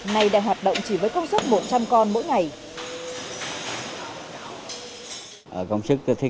nay đang hoạt động chỉ với công suất một trăm linh con mỗi ngày